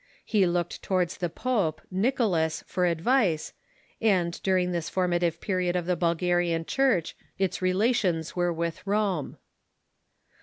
He looked towards the pope, Nicholas, for ad vice, and during this formative period of the Bulgarian Church its relations were with Rome.